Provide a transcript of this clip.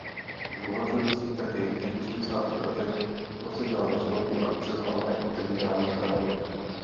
V Luhačovicích také již v osmdesátých letech prosadila myšlenku akce zvané "Otevírání pramenů".